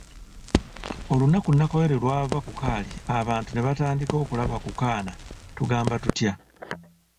Olunaku Nakawere lw'ava ku kaali abantu ne batandika okulaba ku kaana tugamba tutya?